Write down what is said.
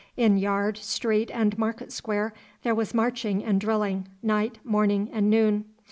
In yard, street, and market square there was marching and drilling, night, morning, and noon.